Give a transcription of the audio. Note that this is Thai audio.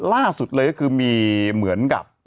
ล่าสุดเลยก็คือมีเหมือนกับ